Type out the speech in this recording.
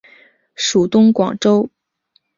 属东广州。